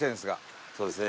そうですね。